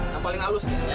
yang paling halus gitu ya